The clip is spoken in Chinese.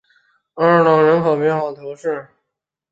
阿尔朗人口变化图示